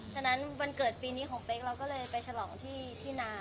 วันวันเกิดปีนี้ของเป๊กเราไปมาฝากที่นะ